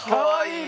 はい。